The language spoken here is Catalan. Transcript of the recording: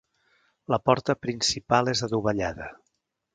La porta principal és adovellada.